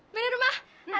bener mah nah